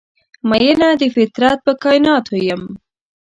میینه د فطرت په کائیناتو یم